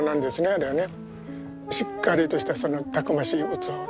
これはね。